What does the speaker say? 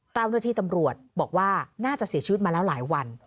เจ้าหน้าที่ตำรวจบอกว่าน่าจะเสียชีวิตมาแล้วหลายวัน